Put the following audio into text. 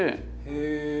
へえ。